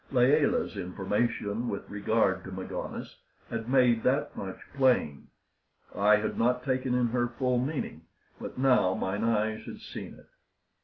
Layelah's information with regard to Magones had made that much plain. I had not taken in her full meaning, but now mine eyes had seen it.